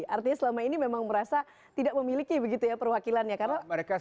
artinya selama ini memang merasa tidak memiliki begitu ya perwakilannya